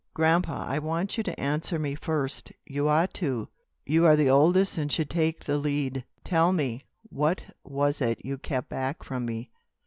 "Grandpa, I want you to answer me first. You ought to. You are the oldest, and should take the lead. Tell me, what was it you kept back from me?"